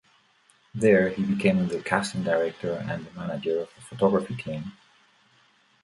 There he became the casting director and the manager of the photography team.